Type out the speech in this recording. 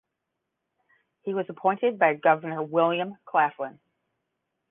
He was appointed by Governor William Claflin.